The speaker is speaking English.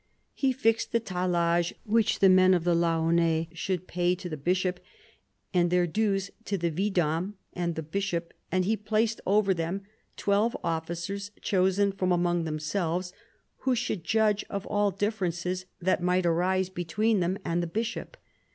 He fixed the tallage which the men of the Laonnais should pay to the bishop, and their dues to the vidame and the bishop, and he placed over them twelve officers chosen from among themselves, who should judge of all differences that might arise between them and the bishop.